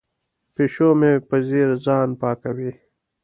پیشو مې په ځیر ځان پاکوي.